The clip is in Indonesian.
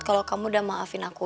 kalau kamu udah maafin aku